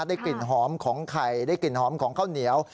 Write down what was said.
ได้กลิ่นหอมของไข่ได้กลิ่นหอมของข้าวเหนียว